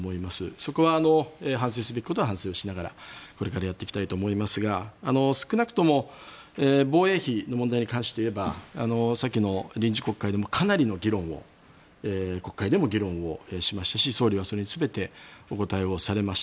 そこは反省すべきことは反省をしながらこれからやっていきたいと思いますが少なくとも防衛費の問題に関して言えば先の臨時国会でもかなりの議論を国会でも議論をしましたし総理はそれに全てお答えをされました。